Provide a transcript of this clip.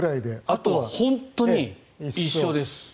あとは本当に一緒です。